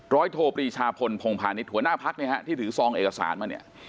ร้อยโทบรีชาพลพงภานิษฐ์หัวหน้าพักที่ถือซองเอกสารมาเนี่ย